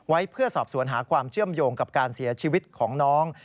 ไว้เพื่อสอบสวนหาความเชื่อมโยงกับการเสียชีวิตของน้อง